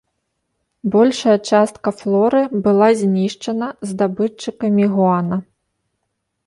Большая частка флоры была знішчана здабытчыкамі гуана.